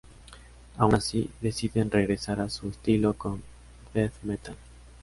Aun así, deciden regresar a su estilo con "Death Metal".